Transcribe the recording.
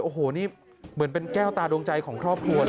โอ้โหนี่เหมือนเป็นแก้วตาดวงใจของครอบครัวเลย